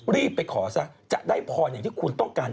รีบไปขอซะจะได้พรอย่างที่คุณต้องการ